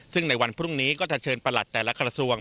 ซึ่งในวันพรุ่งนี้ก็จะเชิญประหลัดแต่ละกระทรวง